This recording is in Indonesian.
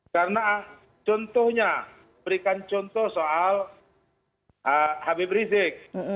karena contohnya berikan contoh soal habib rizik